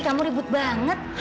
kamu ribut banget